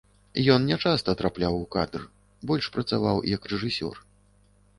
Ён нячаста трапляў у кадр, больш працаваў як рэжысёр.